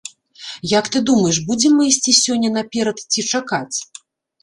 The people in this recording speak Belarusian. Як ты думаеш, будзем мы ісці сёння наперад ці чакаць?